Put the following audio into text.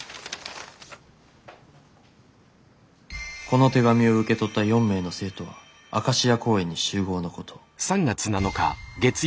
「この手紙を受け取った４名の生徒はアカシア公園に集合のこと」。